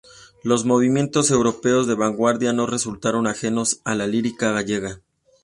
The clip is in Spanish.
Los movimientos europeos de vanguardia no resultaron ajenos a la lírica gallega.